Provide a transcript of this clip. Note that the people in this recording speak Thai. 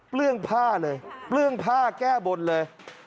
เรื่องผ้าเลยเปลื้องผ้าแก้บนเลย